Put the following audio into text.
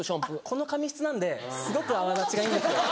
この髪質なんですごく泡立ちがいいんですよ。